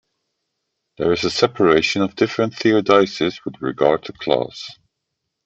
There is a separation of different theodicies with regard to class.